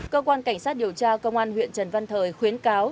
cơ quan cảnh sát điều tra công an huyện trần văn thời khuyến cáo